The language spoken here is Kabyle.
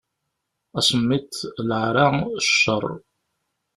Asemmiḍ, leɛra, cceṛ.